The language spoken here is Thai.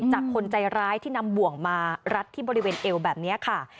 คนใจร้ายที่นำบ่วงมารัดที่บริเวณเอวแบบนี้ค่ะ